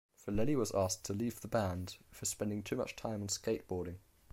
Vallely was asked to leave the band for spending too much time on skateboarding.